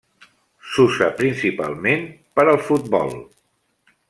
S'usa principalment per al futbol.